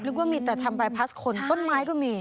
รึเปล่ามีแต่ทำบายพัสคนต้นไม้ก็มี